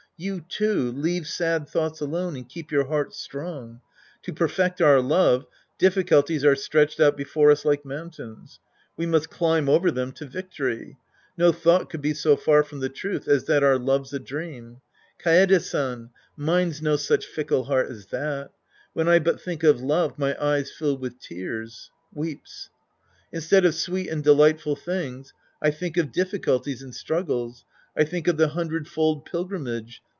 You, too, leave sad thoughts alone and keep your heart strong. To perfect our love, difficulties are stretched out before us like mountains. We must climb over them to victory. No thought could be so far from the truth as that our love's a dream. Kaede San, mine's no such ficklf heart as that. When I but think of love, my eyes fill with tears. (Weeps.) Instead of sweet and delightful things, I think of difficulties and strug gles. I think of the hundredfold pilgrimage.